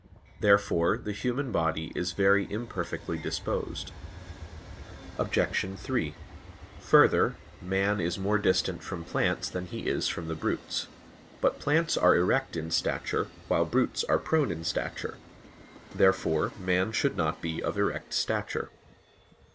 Therefore the human body is very imperfectly disposed. Obj. 3: Further, man is more distant from plants than he is from the brutes. But plants are erect in stature, while brutes are prone in stature. Therefore man should not be of erect stature.